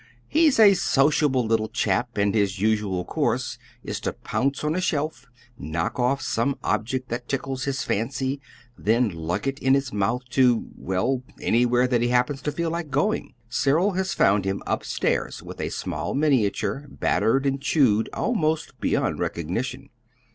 He's a sociable little chap, and his usual course is to pounce on a shelf, knock off some object that tickles his fancy, then lug it in his mouth to well, anywhere that he happens to feel like going. Cyril has found him up stairs with a small miniature, battered and chewed almost beyond recognition.